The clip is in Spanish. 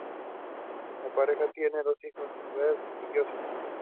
La pareja tiene dos hijos: Berta y Josep.